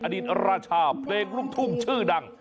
อดีตราชาเพลงลูกทุ่งชื่อดัง